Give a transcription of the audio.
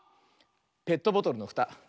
「ペットボトルのふた」。